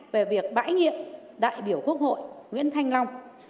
về việc bãi nhiệm đại biểu quốc hội nguyễn thanh long